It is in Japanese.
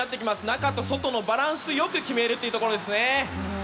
中と外をバランスよく決めるというところですね。